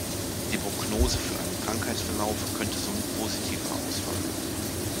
Die Prognose für einen Krankheitsverlauf könnte somit positiver ausfallen.